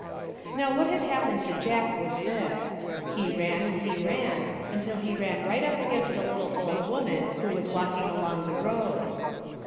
Now what had happened to Jack was this — he ran and he ran until he ran right up against a little old woman who was walking along the road.